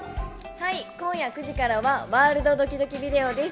今夜９時からは『ワールドドキドキビデオ』です。